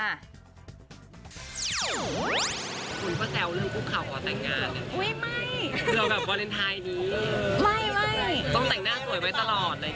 คุณก็แซวเรื่องพวกเขาก็แต่งงาน